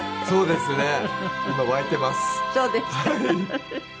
そうですね。